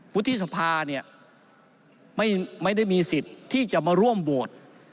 วุฒิสภาเนี่ยไม่ได้มีสิทธิ์ที่จะมาร่วมโหวต